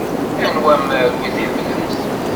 Anwa amaru i tḥemmlemt?